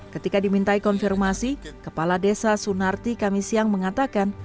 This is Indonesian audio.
ketika dimintai konfirmasi kepala desa sunarti kamisiyang mengatakan